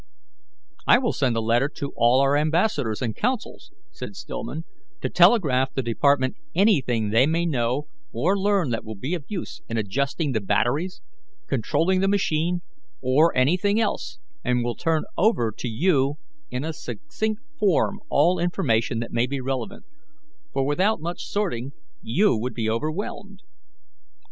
"I will send a letter to all our ambassadors and consuls," said Stillman, "to telegraph the department anything they may know or learn that will be of use in adjusting the batteries, controlling the machine, or anything else, and will turn over to you in a succinct form all information that may be relevant, for without such sorting you would be overwhelmed."